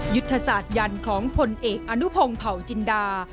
ยุทธศาสตร์ยันต์ของผลเอกอนุพงศ์เผาจินดา